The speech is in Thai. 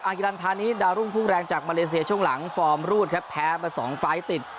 กิรันธานิดารุ่งพุ่งแรงจากมาเลเซียช่วงหลังฟอร์มรูดครับแพ้มา๒ไฟล์ติด